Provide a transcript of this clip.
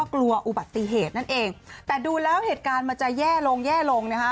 กลัวอุบัติเหตุนั่นเองแต่ดูแล้วเหตุการณ์มันจะแย่ลงแย่ลงนะคะ